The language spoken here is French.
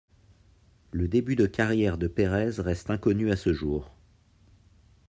Le début de carrière de Perez reste inconnu à ce-jour.